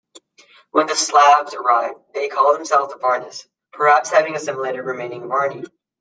When the Slavs arrived, they called themselves the Varnes, perhaps having assimilated remaining Varni.